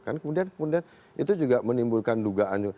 kan kemudian itu juga menimbulkan dugaan